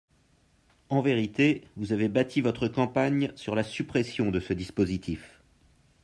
En vérité, vous avez bâti votre campagne sur la suppression de ce dispositif.